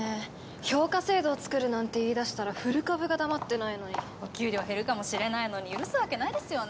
評価制度を作るなんて言いだしたら古株が黙ってないのにお給料減るかもしれないのに許すわけないですよね